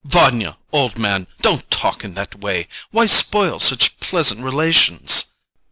[Agitated] Vanya, old man, don't talk in that way. Why spoil such pleasant relations?